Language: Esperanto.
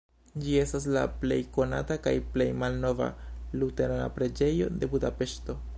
Ĝi estas la plej konata kaj plej malnova luterana preĝejo de Budapeŝto.